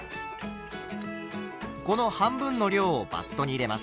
この半分の量をバットに入れます。